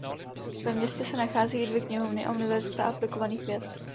Ve městě se nachází i dvě knihovny a Univerzita aplikovaných věd.